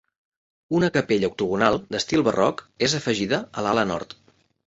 Una capella octogonal d'estil barroc és afegida a l'ala nord.